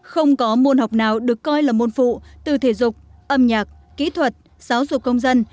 không có môn học nào được coi là môn phụ từ thể dục âm nhạc kỹ thuật giáo dục công dân